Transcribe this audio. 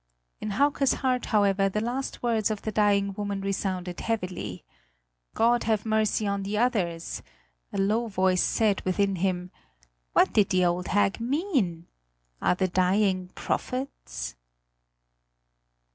In Hauke's heart, however, the last words of the dying woman resounded heavily. "God have mercy on the others!" a low voice said within him. "What did the old hag mean? Are the dying prophets